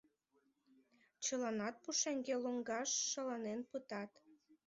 Чыланат пушеҥге лоҥгаш шаланен пытат.